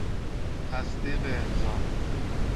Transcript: تصدیق امضا